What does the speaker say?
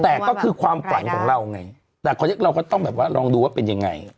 แต่ก็คือความฝันของเราไงแต่เราก็ต้องแบบว่าลองดูว่าเป็นยังไง